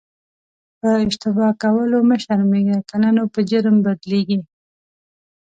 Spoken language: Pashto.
په اشتباه کولو مه شرمېږه که نه نو په جرم بدلیږي.